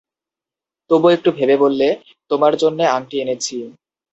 তবু একটু ভেবে বললে, তোমার জন্যে আংটি এনেছি।